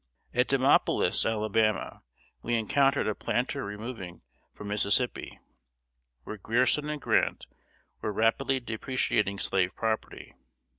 At Demopolis, Alabama, we encountered a planter removing from Mississippi, where Grierson and Grant were rapidly depreciating slave property.